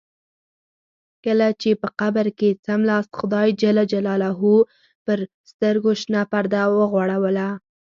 کله چې په قبر کې څملاست خدای جل جلاله پر سترګو شنه پرده وغوړوله.